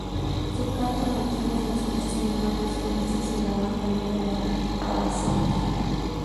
Su canto mantiene los otros animales felices y la granja libre de aguaceros.